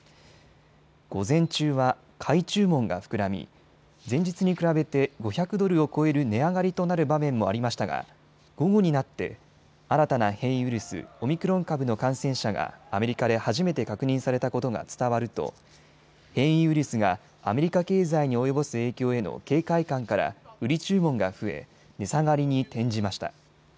午前中は買い注文が膨らみ前日に比べて５００ドルを超える値上がりとなる場面もありましたが午後になって新たな変異ウイルス、オミクロン株の感染者がアメリカで初めて確認されたことが伝わると変異ウイルスがアメリカ経済に及ぼす影響への警戒感から売り注文が増え値下がりに転じました。